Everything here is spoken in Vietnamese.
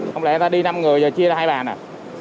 không lẽ ta đi năm người rồi chia ra hai bàn à